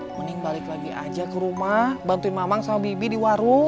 mending balik lagi aja ke rumah bantuin mamang sama bibi di warung